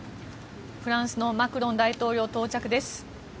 フランスのマクロン大統領到着です。